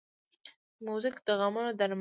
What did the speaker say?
موزیک د غمونو درمل دی.